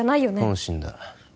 本心だ